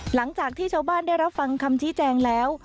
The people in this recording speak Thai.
หลังจากที่ชาวบ้านได้รับฟังคำชี้แจงแล้ว